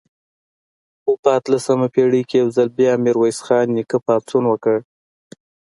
خو په اتلسمه پېړۍ کې یو ځل بیا میرویس خان نیکه پاڅون وکړ.